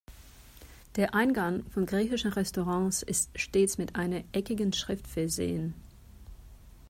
Der Eingang von griechischen Restaurants ist stets mit einer eckigen Schrift versehen.